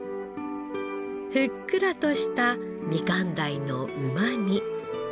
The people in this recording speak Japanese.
ふっくらとしたみかん鯛のうまみ。